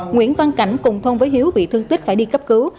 nguyễn văn cảnh cùng thông với hiếu bị thương tích phải đi cấp cứu